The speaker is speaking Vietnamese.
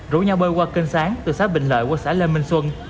rủ nhau bơi qua kênh sáng từ xã bình lợi qua xã lê minh xuân